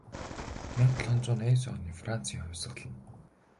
Ном болгон өөрийн гэсэн өвөрмөц өнгө төрхийг агуулсан зан үйлтэй байдаг.